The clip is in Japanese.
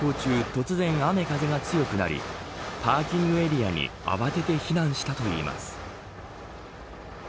突然、雨風が強くなりパーキングエリアに慌てて避難したといいます。